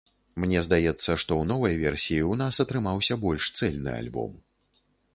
Мне здаецца, што ў новай версіі ў нас атрымаўся больш цэльны альбом.